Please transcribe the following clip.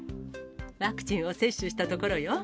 ワクチンを接種したところよ。